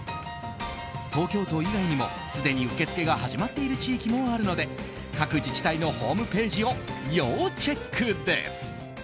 東京都以外にもすでに受け付けが始まっている地域もあるので各自治体のホームページを要チェックです。